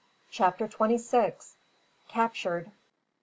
CHAPTER TWENTY SIX. CAPTURED.